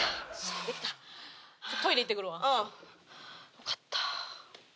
よかったあ。